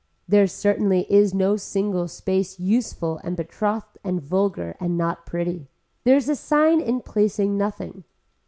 There certainly is no single space useful and betrothed and vulgar and not pretty. There is a sign in placing nothing.